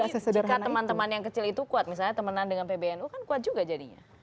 atau bisa terjadi jika teman teman yang kecil itu kuat misalnya temenan dengan pbnu kan kuat juga jadinya